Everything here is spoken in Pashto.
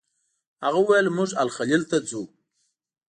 هغه وویل موږ الخلیل ته ځو.